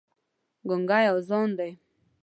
ګونګی اذان دی